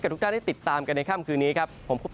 ทุกท่านได้ติดตามกันในค่ำคืนนี้ครับ